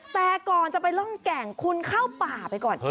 แต่ก่อนจะไปร่องแก่งคุณเข้าป่าไปก่อน